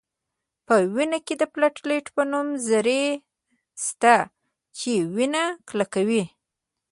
په وینه کې د پلاتیلیت په نوم ذرې شته چې وینه کلکوي